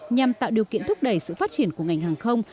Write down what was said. nhằm tạo điều kiện thúc đẩy sự phát triển của ngành hàng không